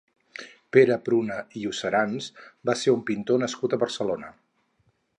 Pere Pruna i Ocerans va ser un pintor nascut a Barcelona.